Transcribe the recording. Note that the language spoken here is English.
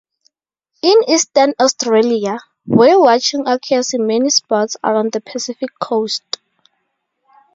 In eastern Australia, whale watching occurs in many spots along the Pacific coast.